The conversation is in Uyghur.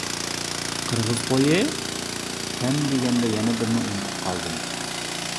قىرغىز قويى؟ كەم دېگەندە يەنە بىرنى ئۇنتۇپ قالدىم.